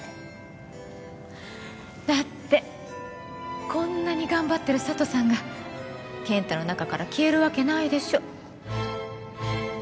だってこんなに頑張ってる佐都さんが健太の中から消えるわけないでしょ？